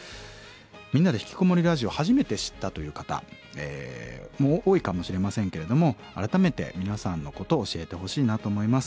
「みんなでひきこもりラジオ」初めて知ったという方も多いかもしれませんけれども改めて皆さんのことを教えてほしいなと思います。